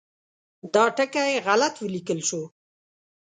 دا ټکی غلط ولیکل شو.